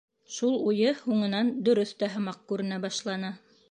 Шул уйы һуңынан дөрөҫ тә һымаҡ күренә башланы.